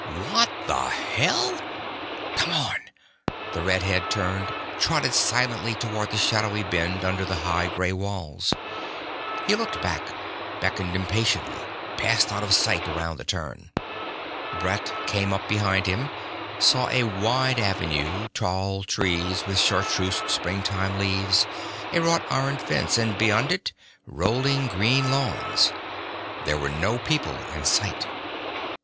"What the hell...!" "Come on!" The red head turned, trotted silently toward the shadowy bend under the high grey walls. He looked back, beckoned impatiently, passed out of sight around the turn Brett came up behind him, saw a wide avenue, tall trees with chartreuse springtime leaves, a wrought iron fence, and beyond it, rolling green lawns. There were no people in sight.